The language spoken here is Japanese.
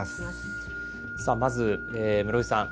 さあまず室井さん